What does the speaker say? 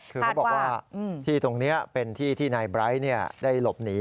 คือเขาบอกว่าที่ตรงนี้เป็นที่ที่นายไบร์ทได้หลบหนี